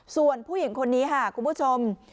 ส่วนผู้หญิงคนนี้ค่ะคุณผู้ชม